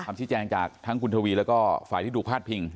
คำชี้แจงจากทั้งคุณทวีแล้วก็ฝ่ายที่ถูกพาดพิง